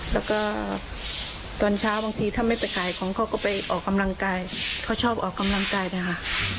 แล้วก็ตอนเช้าบางทีถ้าไม่ไปขายของเขาก็ไปออกกำลังกายเขาชอบออกกำลังกายนะคะ